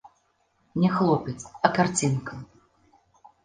Не хлопец, а карцінка!